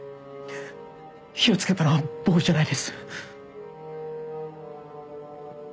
火をつけたのは僕じゃないです。